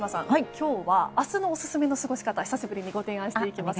今日は明日のオススメの過ごし方久しぶりにご提案していきます。